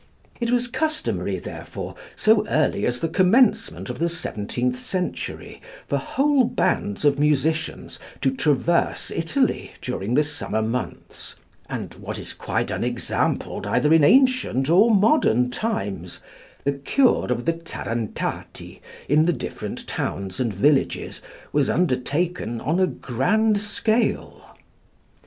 It was customary, therefore, so early as the commencement of the seventeenth century, for whole bands of musicians to traverse Italy during the summer months, and, what is quite unexampled either in ancient or modern times, the cure of the Tarantati in the different towns and villages was undertaken on a grand scale.